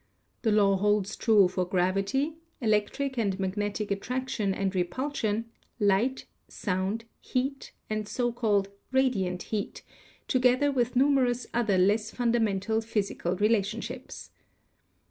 The law holds true for gravity, electric and magnetic attraction and repulsion, light, sound, heat and so called "radiant heat," together with numerous other less fundamental physical relationships.